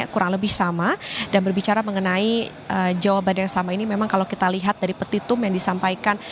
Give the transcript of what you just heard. kurang lebih sama dan berbicara mengenai jawaban yang sama ini memang kalau kita lihat dari petitum yang disampaikan